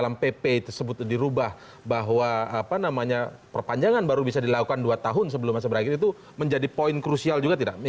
app tersebut dirubah bahwa perpanjangan baru bisa dilakukan dua tahun sebelum masa berakhir itu menjadi poin krusial juga tidak